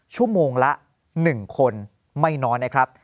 ชั่วโมงละ๑คนไม่น้อยนะครับ